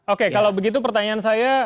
oke kalau begitu pertanyaan saya